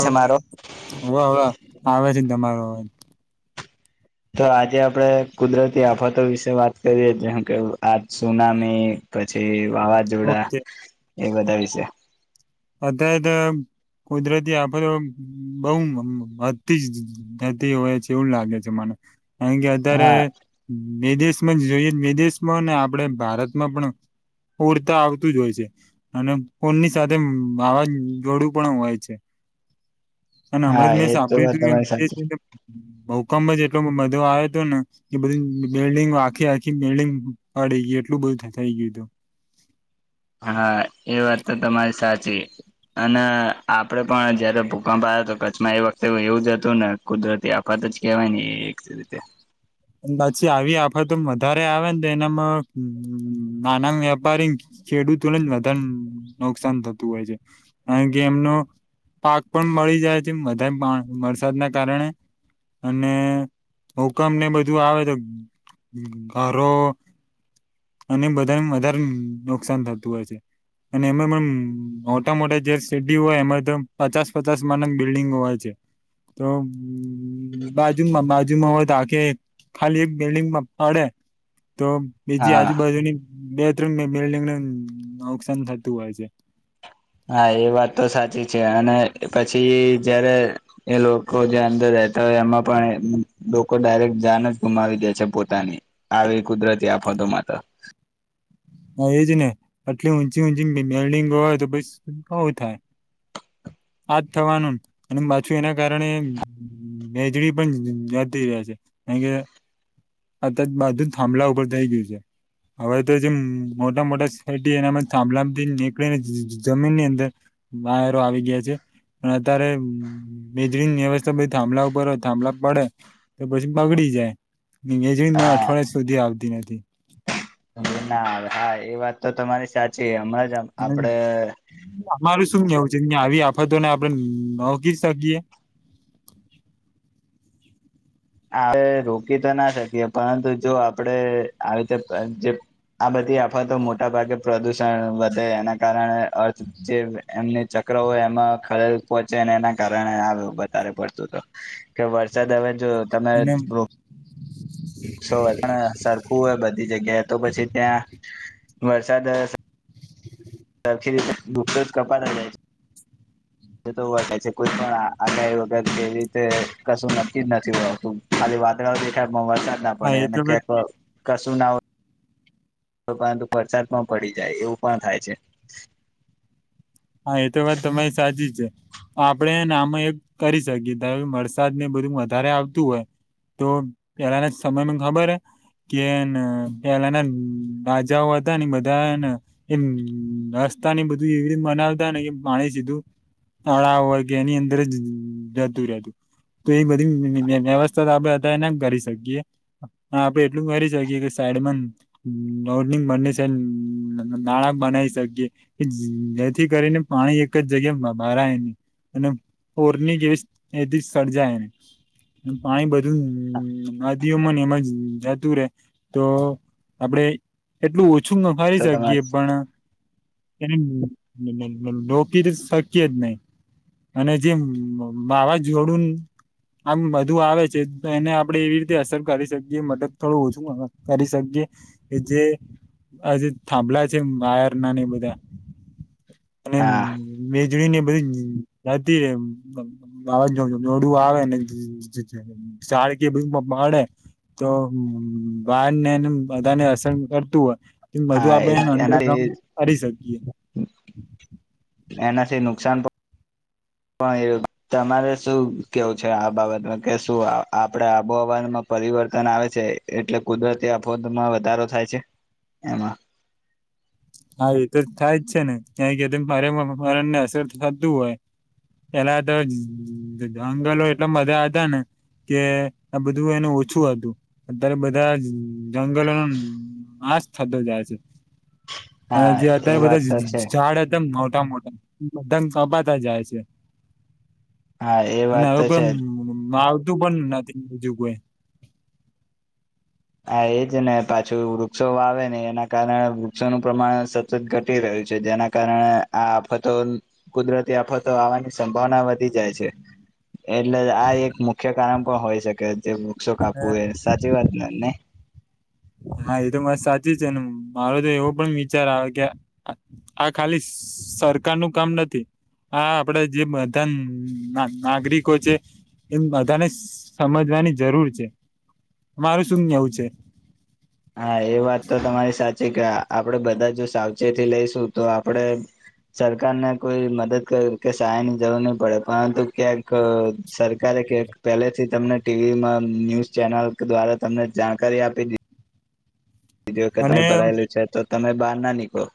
છે મારો વા વા આવે છે, ને તમારો હો તો આજે આપણે કુદરતી આફતો વિશે વાત કરીએ જેમ કે આ સુનામી- પછી વાવાઝોડા ઓકે એ બધા વિશે અત્યારે તો કુદરતી આફતો બહુ વધતી જ થતી હોય છે, એવું લાગે છે, મને હે અત્યારે હા વિદેશમાં જ જોઈએ વિદેશમાં ને આપડે ભારતમાં પણ ઉરતા આવતું જ હોય છે, અને કોનની સાથે તેમ વાવાઝોડું પણ હોય છે. અને હા હમણાં મેં એ તો સાંભળ્યું વાત તું તમારી સાચી કે [unintelligible] ભૂકંપ જ એટલો બધો આવે હતો ને કે બધી બિલ્ડંગ આખી આખી બિલ્ડીંગ એટલું બધું થઈ ગયું હતું. હા એ વાત તો તમારી સાચી. અને આપડે પણ જયારે ભૂકંપ આવ તો કચ્છમાં એ વખતે એવું જ હતું ને કુદરતી આફત કેવાય ને રીતે. પાછી આવી આફત તો વધારે આવે ને તો એનામાં નાના વેપારી ખેડૂતોને જ વધારે નુકસાન થતું હોય છે, કારણ કે એમનો પાક પણ મળી જાય છે, વધુ વરસાદના કારણે અને હુકમ ને બધું બધું આવે તો ઘરો અને બધાને વધારે નુકસાન થતું હોય છે. અને એમાં પણ મોટા- મોટા જે સીડી હોય એમાં તો પચાસ પચાસ માળના બિલ્ડિંગો હોય છે. તો બાજુમાં બાજુમાં હોય તો હાકે ખાલી એક બિલ્ડિંગમાં પડે તો બીજી હા આજુબાજુની બેથરૂમ બિલ્ડિંગને નુકસાન થતું હોય છે. હા એ વાત તો સાચી છે, અને પછી જયારે એ લોકો જે અંદર તો એમાં પણ લોકો ડાયરેક્ટ જાન જ ગુમાવી દે છે, પોતાની આવી કુદરતી આપ ફતો માતા [unintelligible] [inaudible] હા એજ ને આટલી ઊંચી ઊંચી ડિંગ હોય તો બું થાય. હું [inaudible] આજ થવાનું અને પાછું એના કારણે વેજડી પણ જતી રહ્યા છે. કારણ કે આ જ બાધું થાંભલા ઉપર થઈ ગયું છે, હવે તો જેમ મોટા- મોટા શેરી એનામાં થાંભલામાંથી નીકળીને જમીન ની અંદર બાયરો આવી ગયા છે. પણ અત્યારે મેજરી વ્યવસ્થા થાંભલા ઉપર હોય થાંભલા પડે તો પછી બગડી [unintelligible] જ હા અઠવાડિયે સુધી આવતી નથી. ના આવે હા એ વાત તો તમારી સાચી. હમણાં જ આપડે અમારું શું કેવું છે. ની આવી આફતોને આપણે નહોકી શકીએ આપણે રોકી તો ના શકીએ પરંતુ જો આપડે આવી રીતે જે આ બધી આફ તો મોટા ભાગે પ્રદુષણ વધે એના કારણે અર્થ જે એમને ચક્ર એમાં ખરેલ પહોંચે ને એના કારણે વધારે પડતું તો કે વરસાદ હવે જો અને [unintelligible] સો [unintelligible] સરખું હોય બધી જગ્યાએ તો પછી ત્યાં વરસાદ તખી દુઃખ જ કપા ન જાય છે. હ તોય છે કોઈ પણ આગાહી વગર કેવી રીતે કશું નક્કી જ નથી હોતું વાતાવરણ દે વરસાદ ના હા પડે એ અને તો વાત ક્યાંક કશું ના હો પરંતુ વરસાદ પણ પડી જાય એવું પણ થાય છે. હા એ તો વાત તમારી સાચી છે. આપણેને આમાં એક કરી શકીએ ત વરસાદ ને બધું વધારે આવતું હોય તો પેલાના સમય મા ખબર હ કે ન પેલાના રાજાઓ હતા ને બધા એને એમ અ રસ્તા ને બધું એવી રીતે મનાવતા ને કે પાણી સીધું હ વાગે એની અંદર જ જતું રહે. તો એ બધી વ્યવસ્થા તો આપડે અત્યારે ના કરી શકીએ, આપડે એટલું કરી શકીએ કે સ એડમન લોર્ડબનેસન નાણાં બનાવી શકીએ જે થી કરીને પાણી એક જ જગ્યા ભરાયની અને બોરની જેવી એથી સર્જાયને પાણી બધું નદીઓમાં એ જ જતું રે તો આપડે એટલું ઓછું ન ફરી તો તમે શકીએ પણ એ બ ડોકી શક્ય જ નહી. અને જે વાવા જોડું આમ બધું આવે છે એને આપડે એવી રીતે અસર કરી શકીએ મદદ થોડું ઓછું કરી શકીએ. જે આજે થાંભલા છે વાયરના ને બધા અને હા મેજળને બધી [unintelligible] આવે ભણે તો બાળને તો બાર ને એને બધા ને હસન કરતું હોય. બધું હા આપણેને અડર ગ્રાઉન્ડ એનાથી કરી શકીએ. એનાથી નુકસાન પ ણ એ તમારે શું કેવું છે, આ બાબતમાં કે શું આપણે આબોહવામાં ની પરિવર્તન આવે છે એટલે કુદરતી અફવામાં વધારો થાય છે, એમાં હા એ તો થાય જ છે ને ક્યાં કે મારેને અસર થતું હોય. પેલા તો જંગલો એટલા બધા હતા ને કે આ બધું એનું ઓછું હતું, અત્યારે બધા જંગલોના માસ થતો જાય છે. અને હા જે એ અત્યારે બધા વાત તો છે ઝાડ હતા મોટા મો કપાતા જાય છે હા એ અને વાત હવે તો કોઈ છે માવ બું પણ નથી બીજું કોઈ હા એજ ને પાછું વૃક્ષો વાવેને એના કારણે વૃક્ષોનું પ્રમાણ સતત ઘટી રહ્યું છે, જેના કારણે આ આફતો કુદરતી આફતો આવવાની સંભાવના વધી જાય છે. એટલે આ એક મુખ્ય કારણ પણ હોય શકે જે વૃક્ષો કાપવું એ સાચી વાતને ને? હા એ તો મસ્ સાચી છે ને મારો તો એવો પણ વિચાર આવે કે આ ખાલી સરકાર નું કામ નથી હા આપડે જે બધા નાગ નાગરિકો છે એમ બધાને સમજવાની જરૂર છે, મારું શું કેવું છે? હા એ વાત તો તમારી સાચી, કે આપડે બધા જો સાવચેતી લઈશું તો આપડે સરકારને કોઈ મદદ કર કે સહાયની જરૂર નહી પડે, પરંતુ ક્યાંક સરકાર કે પહેલેથી તમને ટીવીમાં ન્યૂઝ ચેનલ દ્વારા તમને જાણકારી આપી દી બીજી વખત અને ભરાયેલું છે તો તમે બહાર ના નીકળો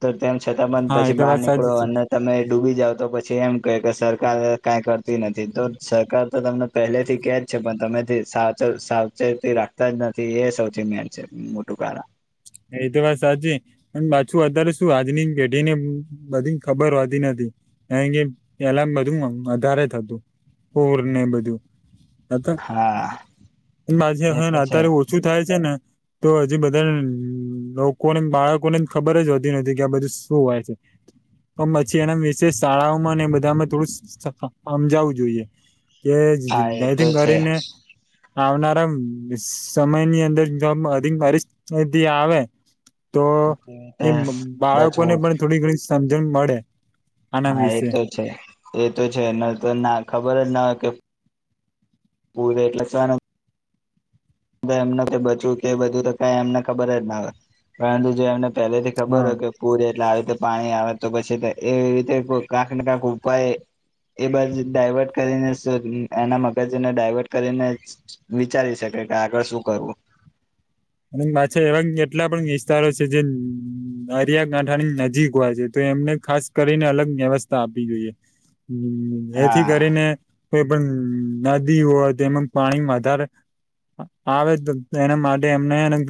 તો તેમ છતાં પણ હા એ પછી તો બહાર વાત નીકળો સાચી છે અને તમે ડૂબી જાવ તો પછી એમ કે કે સરકાર કઈ કરતી નથી, તો સરકાર તો તમને પહેલેથી કે છે પણ તમેથી સાવ સાવચેતી રાખતા જ નથી એ સૌથી મેન છે, મોટું કારણ શું અત્યારે શું આજની પેઢી ને બધી ખબર હોતી નથી, એ એલામ બધું વધારે થતું, પૂર ને બધું હા હ ના એ તો છે અત્યારે ઓછું થાય છે ને તો હજી બધાને લોકોને બાળકો ને ખબર જ હોતી નથીતી કે આ બધું શું હોય છે. પણ પછી એના વિશેષ શાળાઓમાં એ બધામાં થોડું સમજાવવું જોઈએ. કે હા એ તો ડાયથિંગ છે કરીને આવનારા સમયની અંદર જોબ અધિક પરિસ્થિતિ આવે તો કેવી એ રીતે બચવું બાળકોને પણ થોડી ઘણી સમજણ મળે. આના હા વિશે એતો છે એ તો છે ન તો ના ખબર જ ના હોય કે પૂવે એટલે સ્થાનમ એમનો કે બચવ કે બધું તો ક એમને ખબર જ ના હોય પરંતુ જે એમને પેલે થી ખબર હા હોય કે પુર એટલે પાણી આવે તો પછી એવી રીતે ક્યાંક ને ક્યાંક ઉપાય એ બધ ડાયવર્ટ કરીને એના મગજને ડાયવર્ટ કરીને વિચારી શકે. ત આગળ શું કરવું અને પાછા એવા એટલા પણ વિસ્તારો છે જે દરિયાકાંઠાની નજીક હોય છે તો એમને ખાસ કરીને અલગ વ્યવસ્થા આપવી જોઈએ હ એથી હા કરીને કોઈ પણ નદી હોય તેમાં પાણી વધારે આવે તો તેના માટે એમને અલગ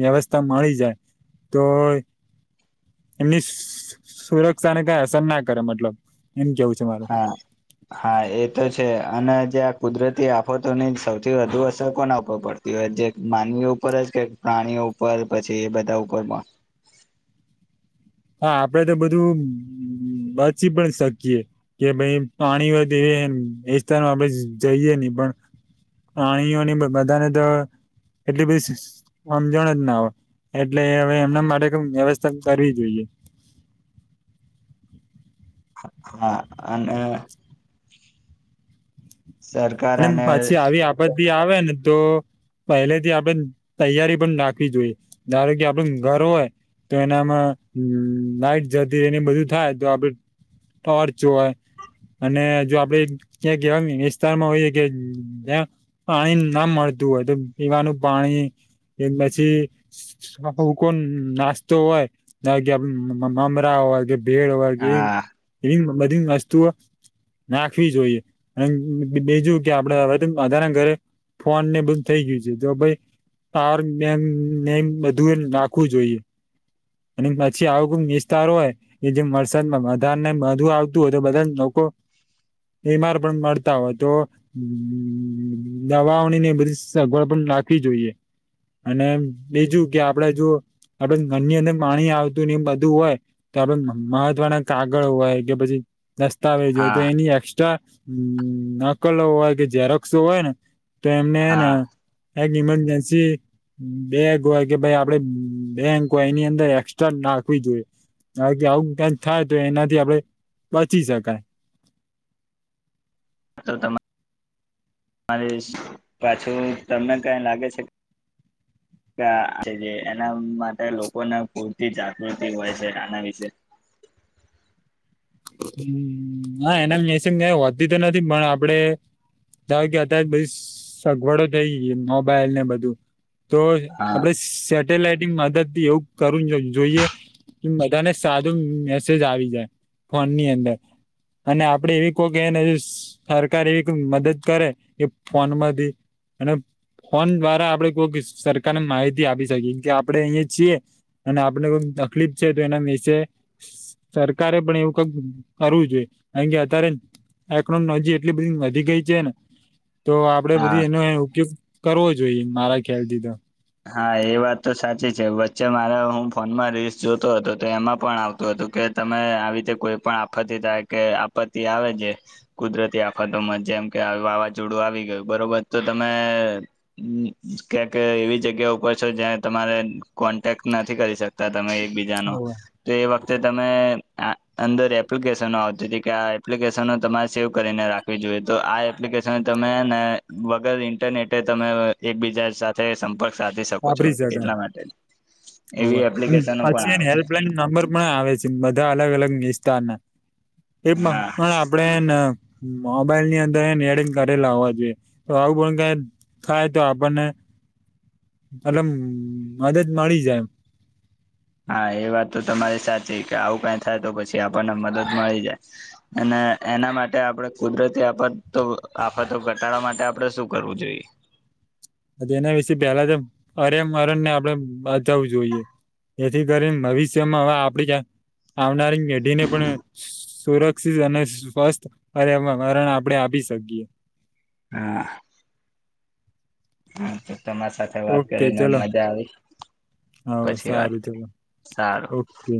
વ્યવસ્થા મળી જાય તો એમની સુરક્ષાને કઈ અસર ના કરે મતલબ એમ કેવું છે મારું હા હા એ તો છે અને કુદરતી આફતો સૌથી વધુ અસર કોના ઉપર પડતી હોય જે માનવી ઉપર જ કે પ્રણી ઉપર પછી એ બધા ઉપર પણ [inaudible] હા આપડે તો બધું બચી પણ શકીએે કે ભાઈ પાણી હો એ એ સ્થાનમાં આપડે જઈએ ને પણ પ્રાણીઓની બધાને તો એટલે બી સમજણ જ ના આવે. એટલે હવે એમના માટે ક વ્યવસ્થા કરવી જોઈએ હા અને અને પછી આવી આપતી આવે ને તો પહેલેથી આપડે તૈયારી પણ નાખવી જોઈએ ધણ કે આપડે ઘર હોય તો એનામાં હ લાઈટ જતી એને બધું થાય તો આપડે ટોર્ચ જોય અને જો આપડે ક્યાં કવાય વિસ્તારમાં હોય કે જ્યાં પાણી ના મળતું હોય તો પીવાનું પાણી એ પછી કો નાસ્તો હોય કે મામરા હોય કે ભેળ કે એ હા એવી બધી વસ્તુઓ નાખવી જોઈએ અને બીજું કે આપડે હવે વધધારના ઘરે ફોન ને બધ થઈ ગયું છે તો ભાઈ તાર બધું એ નાખવું જોઈએ અને પછી આવો કોઈક વિસ્તાર હોય કે જેમ વરસાદમાં બધા ને બધું આવતું હોય તો બધા લોકો [inaudible] એમાર પણ મળતા હોય તો દવાઓણી ને બધી સગવડ પણ ખ જોઈએ અને બીજું કે આપ જો આપંદર પાણી આવતું ને એ બધું હોય તો આપ મહત્વના કાગળ હોય કે પછી દસ્તાવેજ હોય તો હા એની એસ્ટ્રા નકલ હોય કે જેઝરોક્સો હોય ને તો એમનેને હા એક ઈમરજન્સી બેંક હોય કે ભાઈ આપડ બેંક હોય એની અંદર એક્સ્ટ્રા નાખવી જોઈએ. બાકી આવું કંક થાય તો એનાથી આપડે બચી શકાય. તો તમારે મારી પાછું તમને કઈ લાગે છે? કે આ જે છે એના માટે લોકોને પૂરતી જાગૃતિ હોય છે આના વિશે. હ હા, એના નસમ ક્યા વધતી તો નથી, પણ આપડે. થાય કે, અત્યારે બધી સગવડો થઈ ગઈ, મોબાઈલ ને બધું. તો હા આપડે સેટેલાઈટંગ મદદ થી એવું કરું જોઈએ. બધાને સાદું મેસેજ આવી જાય ફોન ની અંદર. અને આપડે એવી કોઈ ક ને સરકાર એવી કોઈ મદદ કરે એ ફોનમાંથી. અને ફોન દ્વારા આપડે કોઈક સરકારને માહિતી આપી શકીએ કે, આપડે અહીયાં છીએ. અને આપણે કો તકલીફ છે, તો એના વિશેે સરકારે પણ એવું કરવું જોઈએ. અ અત્યારે ટેક્નોલોજી એટલી બધી વધી ગઈ છે ને. તો આપડે હા બધી એનો ઉપયોગ કરવો જોઈએ, મારા ખ્યાલથી તો. હા, એ વાત તો સાચી છે. વચ્ચે મારા હું ફોનમાં રીલ્સ જોતો હતો, તો એમાં પણ આવતો હતો. કે, તમે આવી રીતે કોઈ પણ આફતિ થાય કે આપત્તિ આવે છે, કુદરતી આફતોમાં જેમ કે, વાવાઝોડું આવી ગયું, બરોબર? તો તમે કંઈક એવી જ જગ્યા ઉપર છો, જ્યાં તમારે કોન્ટેક્ટ નથી કરી શકતા. તમે એકબીજાનો હોવે તો એ વખતે તમે અંદર એપ્લિકેશનો આવતી હતી કે, આ એપ્લિકેશનો તમારે સેવ કરીને રાખવી જોઈએ, તો આપણે તમે ને વગર ઇન્ટરનેટે તમે એકબીજા સાથે સંપર્ક સાધી શકો છો, એટલા માટે એવી એપ્લિકેશનો પણ પછી આવે એ છે હેલ્પલાઈન નંબર પણ આવે છે, બધા અલગ અલગ વિસ્તારના. એમાં હા પણ આપડે મોબાઈલ ની અંદર એને એડિંગ કરેલા હોવા જોઈએ, તો આવું પણ કંઈક થાય તો, આપણને અલગ મદદ મળી જાય એમ. હા, એ વાત તો તમારી સાચી કે, આવું કંઈ થાય તો પછી આપણને મદદ મળી જાય અને એના માટે આપણે કુદરતી આફત આફતો ઘટાડવા માટે આપડે શું કરવું જોઈએ? એના વિશે પહેલા તો અરેમ અરેણ ને આપડે બચવું જોઈએ. એથી કરીને ભવિષ્યમાં. હવે, આપડીં આવનારી પેઢીને પણ સુરક્ષિત અને સ્વસ્થ પર્યાવરણ આપણે આપી શકીએ. હા. હા, તો તમારી સાથે વાત ઓકે કરીને ચલો મજા આવી. હા પછી વાત સારું કરી ચલો સારું. ઓકે